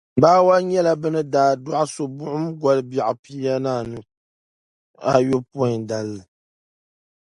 Bawa nyɛla bɛ ni daa dɔɣi so buɣim goli biɛɣu pia ni ayopɔidali.